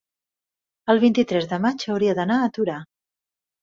el vint-i-tres de maig hauria d'anar a Torà.